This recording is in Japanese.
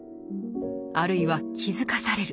あるいは気付かされる。